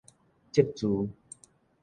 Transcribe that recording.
積聚